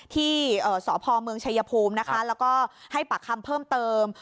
ที่สพเมืองชายภูมินะคะแล้วก็ให้ปากคำเพิ่มเติม